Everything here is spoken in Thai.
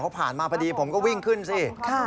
เขาผ่านมาพอดีผมก็วิ่งขึ้นสิ